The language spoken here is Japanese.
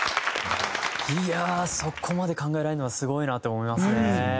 いやあそこまで考えられるのはすごいなって思いますね。